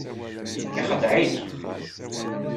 Ixdeɛ-ik.